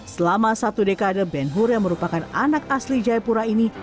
selama satu dekade ben hur yang merupakan anak asli jayapura ini